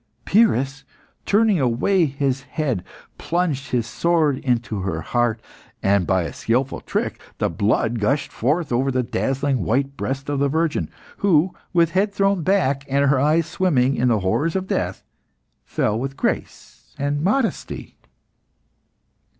Pyrrhus, turning away his head, plunged his sword into her heart, and by a skilful trick, the blood gushed forth over the dazzling white breast of the virgin, who, with head thrown back, and her eyes swimming in the horrors of death, fell with grace and modesty.